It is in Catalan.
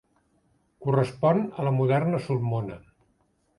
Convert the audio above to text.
Correspon a la moderna Sulmona.